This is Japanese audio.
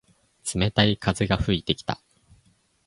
冷たい風が吹いてきた。